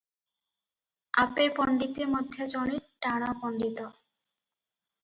ଆପେ ପଣ୍ତିତେ ମଧ୍ୟ ଜଣେ ଟାଣ ପଣ୍ତିତ ।